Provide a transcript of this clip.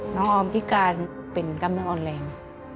น้องออมพิการเป็นกำลังอ่อนแรง